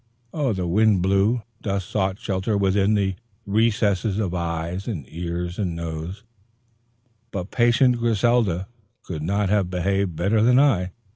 The wind blew, dust sought shelter within the recesses of eyes and ears and nose, but patient Griselda could not have behaved better than I.